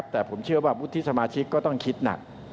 แต่ผมเชื่อว่าวุฒิสมาชิกก็ต้องคิดหนัก